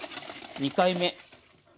２回目。